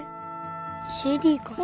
ＣＤかな？